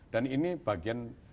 dan ini bagian